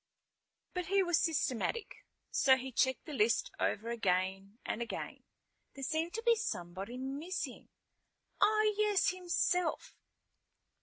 But he was systematic, so he checked the list over again and again. There seemed to be somebody missing. Oh, yes, himself.